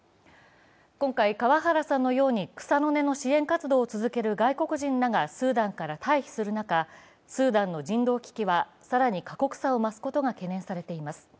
今回、川原さんのように草の根の支援活動を続ける外国人らがスーダンから退避する中、スーダンの人道危機は更に過酷さを増すことが懸念されています。